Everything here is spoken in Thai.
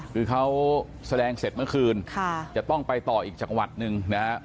คือเขาแสดงเสร็จเมื่อคืนจะต้องไปต่ออีกจังหวัดหนึ่งนะฮะ